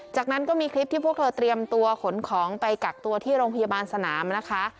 จากนั้นก็มีคลิปที่พวกเธอเตรียมตัวขนของไปกักตัวที่โรงพยาบาลสนามนะคะ